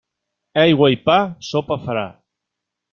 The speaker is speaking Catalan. Aigua i pa, sopa farà.